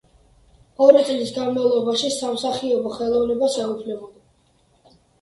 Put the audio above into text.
ორი წლის განმავლობაში, სამსახიობო ხელოვნებას ეუფლებოდა.